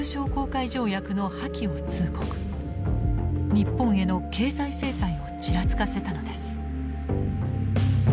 日本への経済制裁をちらつかせたのです。